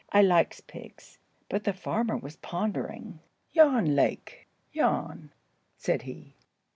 "I likes pigs." But the farmer was pondering. "Jan Lake—Jan," said he.